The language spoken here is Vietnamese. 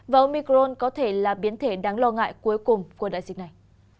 và omicron có thể là biến thể đáng lo ngại cuối cùng của đại dịch này